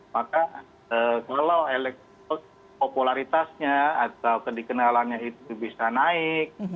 maka kalau popularitasnya atau kedikenalannya itu bisa naik